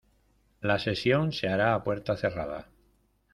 La sesión se hará a puerta cerrada.